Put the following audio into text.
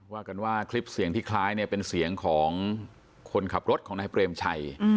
ว่ากันว่าโทษทีเฉียงพี่คล้ายเป็นเสียงของคนขับรถมันเป็นในเบรมชัย